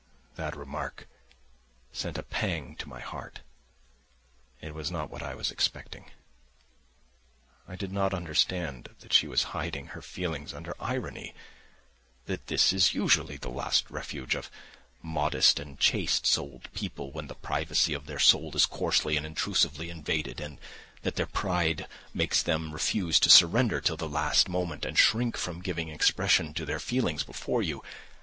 That remark sent a pang to my heart. It was not what I was expecting. I did not understand that she was hiding her feelings under irony, that this is usually the last refuge of modest and chaste souled people when the privacy of their soul is coarsely and intrusively invaded, and that their pride makes them refuse to surrender till the last moment and shrink from giving expression to their feelings before you.